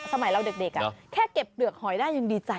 สมัยเราเด็กแค่เก็บเปลือกหอยได้ยังดีใจ